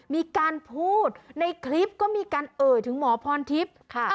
มีการพูดในคลิปก็มีการเอ่ยถึงหมอพรทิพย์ค่ะ